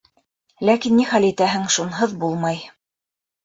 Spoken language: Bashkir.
Ләкин ни хәл итәһең, шунһыҙ булмай.